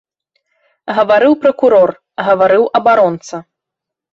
Гаварыў пракурор, гаварыў абаронца.